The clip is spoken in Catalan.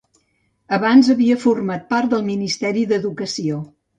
Abans havia format part del Ministeri d'Educació.